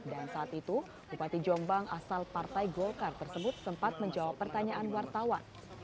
dan saat itu bupati jombang asal partai golkar tersebut sempat menjawab pertanyaan wartawan